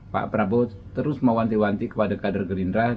pak prabowo terus mewanti wanti kepada kader gerindra